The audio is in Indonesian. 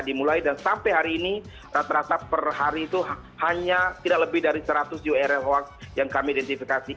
dimulai dan sampai hari ini rata rata per hari itu hanya tidak lebih dari seratus url hoax yang kami identifikasi